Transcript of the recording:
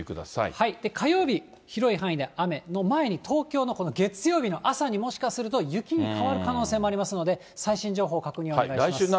火曜日、広い範囲で雨、の前に東京のこの月曜日の朝にもしかすると雪に変わる可能性もありますので、最新情報、確認お願いします。